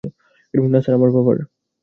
না স্যার, আমার পাপার।